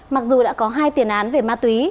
mặc dù đã có hai tiền án về ma túy